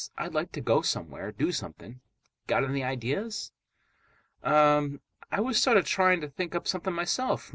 "I'd like to go somewhere. Do something. Got any ideas?" "Um. I was sort of trying to think up something myself.